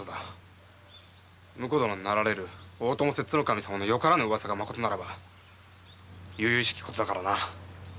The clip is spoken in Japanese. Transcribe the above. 婿殿になられる大友摂津守様のよからぬ噂がまことならば由々しきことだ。